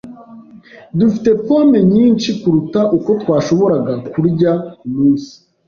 Dufite pome nyinshi kuruta uko twashoboraga kurya kumunsi.